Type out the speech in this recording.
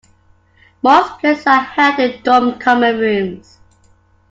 Most plays are held in dorm common rooms.